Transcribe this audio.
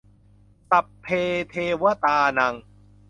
สัพพะเทวะตานัง